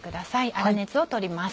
粗熱をとります。